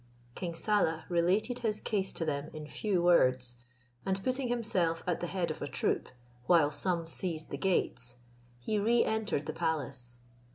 King Saleh related his case to them in few words, and putting himself at the head of a troop, while some seized the gates, he re entered the palace.